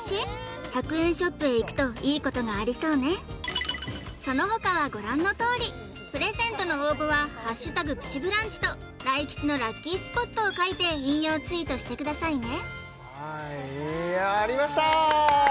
１００円ショップへ行くといいことがありそうねその他はご覧のとおりプレゼントの応募は「＃プチブランチ」と大吉のラッキースポットを書いて引用ツイートしてくださいねはいやりました！